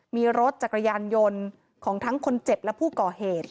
มีรถจักรยานยนต์ของทั้งคนเจ็บและผู้ก่อเหตุ